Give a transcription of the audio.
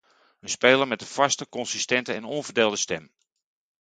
Een speler met een vaste, consistente en onverdeelde stem.